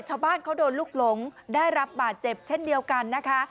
ชาวบ้านเขาโดนลูกหลงได้รับบาดเจ็บเช่นเดียวกันนะคะ